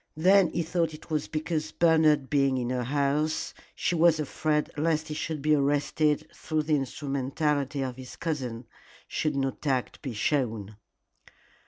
Then he thought it was because Bernard being in her house she was afraid lest he should be arrested through the instrumentality of his cousin should not tact be shown.